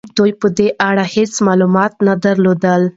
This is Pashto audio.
دوی په دې اړه هيڅ معلومات نه درلودل.